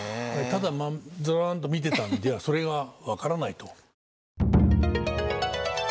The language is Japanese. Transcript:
ただずんと見てたんではそれが分からないと。